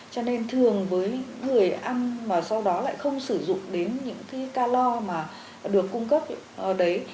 cho nên thường với người ăn mà sau đó lại không sử dụng đến những cái calor mà được cung cấp đấy